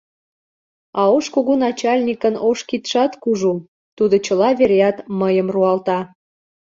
— А ош кугу начальникын ош кидшат кужу, тудо чыла вереат мыйым руалта.